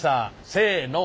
せの。